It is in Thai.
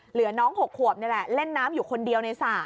เหลือน้อง๖ขวบนี่แหละเล่นน้ำอยู่คนเดียวในสระ